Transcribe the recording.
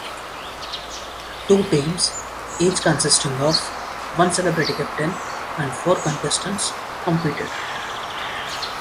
Two teams, each consisting of one celebrity captain and four contestants, competed.